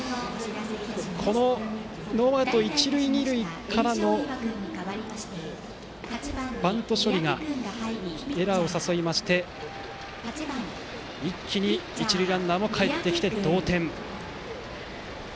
このノーアウト、一塁二塁からのバント処理がエラーを誘いまして一気に一塁ランナーもかえり同点。